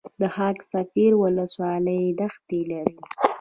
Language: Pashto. خاک سفید ولسوالۍ دښتې لري؟